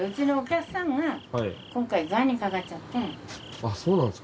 あっそうなんすか。